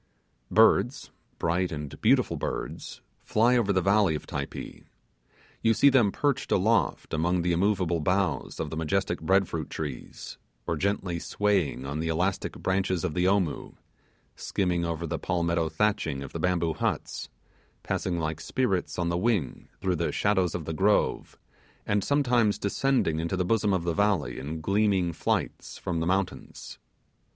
Birds bright and beautiful birds fly over the valley of Typee. You see them perched aloft among the immovable boughs of the majestic bread fruit trees, or gently swaying on the elastic branches of the Omoo; skimming over the palmetto thatching of the bamboo huts; passing like spirits on the wing through the shadows of the grove, and sometimes descending into the bosom of the valley in gleaming flights from the mountains.